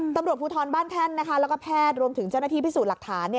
ตำรวจภูทรบ้านแท่นแล้วก็แพทย์รวมถึงเจ้าหน้าที่พิสูจน์หลักฐาน